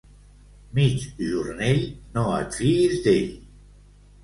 Migjornell, no et fiïs d'ell.